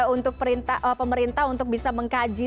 untuk pemerintah untuk bisa mengkaji